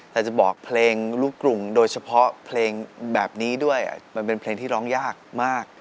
แต่จะบอกเพลงลูกกรุงโดยเฉพาะเพลงแบบนี้ด้วยมันเป็นเพลงที่ร้องยากมาก